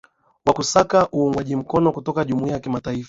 wa kusaka uungwaji mkono kutoka jumuiya ya kimataifa